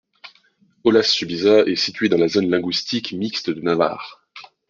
Olaz-Subiza est situé dans la zone linguistique mixte de Navarre.